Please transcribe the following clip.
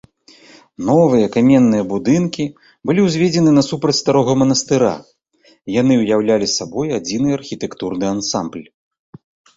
Новыя каменныя будынкі былі ўзведзены насупраць старога манастыра, яны ўяўлялі сабой адзіны архітэктурны ансамбль.